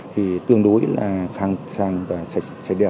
thì tương đối là khang sàng và sạch sẽ đẹp